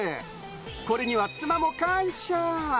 これには妻も感謝。